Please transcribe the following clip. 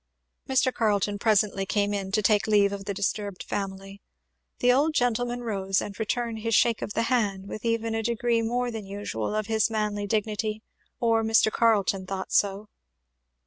Mr. Carleton presently came in to take leave of the disturbed family. The old gentleman rose and returned his shake of the hand with even a degree more than usual of his manly dignity, or Mr. Carleton thought so.